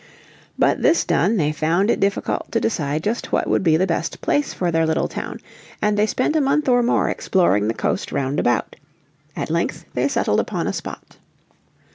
But this done they found it difficult to decide just what would be the best place for their little town, and they spent a month or more exploring the coast round about. At length they settled upon a spot.